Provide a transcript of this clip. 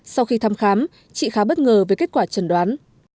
sau khi thăm khám chị khá bất ngờ với kết quả trần đoán